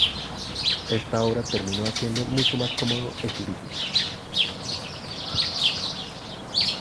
Esta obra terminó haciendo mucho más cómodo el turismo.